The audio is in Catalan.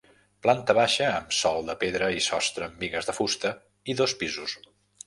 Planta baixa amb sòl de pedra i sostre amb bigues de fusta, i dos pisos.